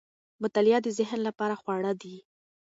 مطالعه د ذهن لپاره خواړه دي.